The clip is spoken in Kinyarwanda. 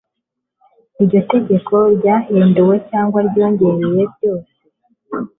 iryo tegeko ryahinduwe cyangwa ryongeye byose